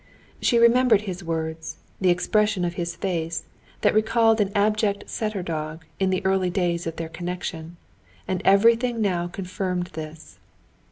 She remembered his words, the expression of his face, that recalled an abject setter dog, in the early days of their connection. And everything now confirmed this.